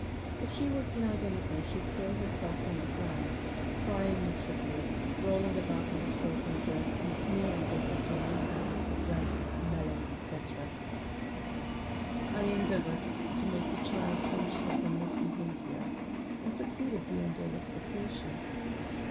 If she was denied anything she threw herself on the ground, crying miserably, rolling about in the filth and dirt, and smearing with her dirty hands the bread, melons, etc. I endeavoured to make the child conscious of her misbehaviour, and succeeded beyond all expectation.